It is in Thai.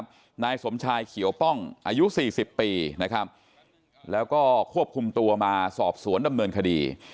ป้าหิวป้องอายุ๔๐ปีนะครับและก็ควบคุมตัวมาสอบสวนดำเนินคดี